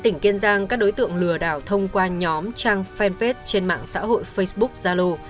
tỉnh kiên giang các đối tượng lừa đảo thông qua nhóm trang fanpage trên mạng xã hội facebook zalo